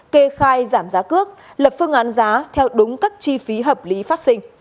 kê khai giảm giá cước lập phương án giá theo đúng các chi phí hợp lý phát sinh